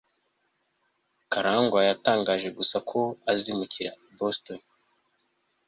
karangwa yatangaje gusa ko azimukira i boston